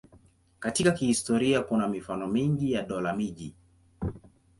Katika historia kuna mifano mingi ya dola-miji.